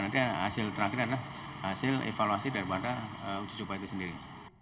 nanti hasil terakhir adalah hasil evaluasi daripada uji coba itu sendiri